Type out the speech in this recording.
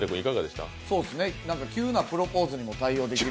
急なプロポーズにも対応できる。